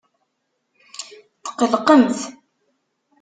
Tqellqemt.